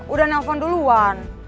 udah nelpon duluan